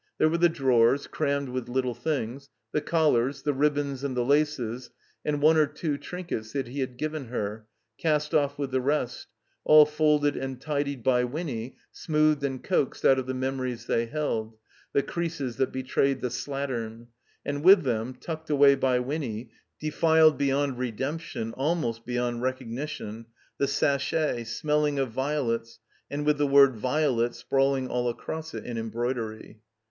There were the drawers, crammed with little things, the collars, the ribbons and the laces, and one or two trinkets that he had given her, cast off with the rest, all folded and tidied by Winny, smoothed and coaxed out of the memories they held, the creases that betrayed the slattern; and with them, tucked away by Winny, defiled be yond redemption, almost beyond recognition, the sachet, smelling of violets and with the word ''Vio let" sprawling all across it in embroidery.